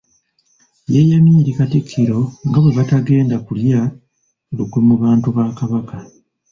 Yeeyamye eri Katikkiro nga bwe batagenda kulya lukwe mu bantu ba Kabaka .